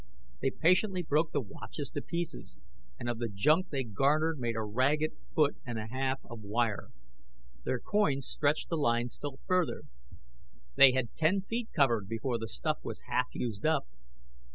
They patiently broke the watches to pieces, and of the junk they garnered made a ragged foot and a half of "wire." Their coins stretched the line still further. They had ten feet covered before the stuff was half used up.